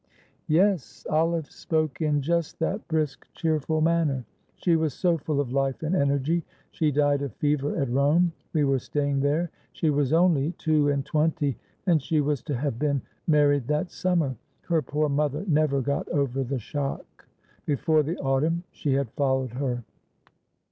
"Yes, Olive spoke in just that brisk, cheerful manner. She was so full of life and energy. She died of fever at Rome we were staying there. She was only two and twenty, and she was to have been married that summer. Her poor mother never got over the shock; before the autumn she had followed her."